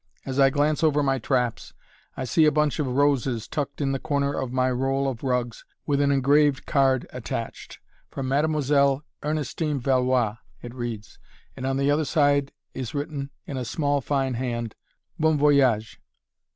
As I glance over my traps, I see a small bunch of roses tucked in the corner of my roll of rugs with an engraved card attached. "From Mademoiselle Ernestine Valois," it reads, and on the other side is written, in a small, fine hand, "Bon voyage."